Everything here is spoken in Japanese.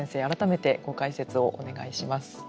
改めてご解説をお願いします。